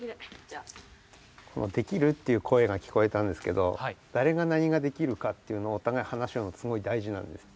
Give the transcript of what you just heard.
「できる？」っていう声が聞こえたんですけどだれが何ができるかっていうのをおたがい話し合うのすごい大事なんです。